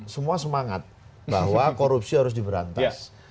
semua semangat bahwa korupsi harus diberantas